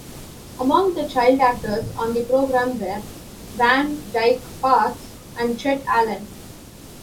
Among the child actors on the program were Van Dyke Parks and Chet Allen.